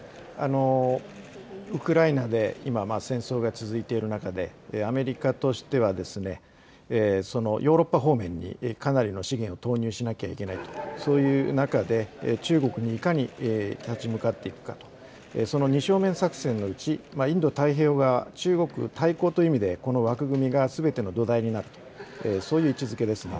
そうですね、ウクライナで今、戦争が続いている中で、アメリカとしては、ヨーロッパ方面にかなりの資源、投入しなきゃいけない、そういう中で中国にいかに立ち向かっていくかと、その２正面作戦のうちインド太平洋側、中国対抗という意味でこの枠組みがすべての土台になっている、そういう位置づけですね。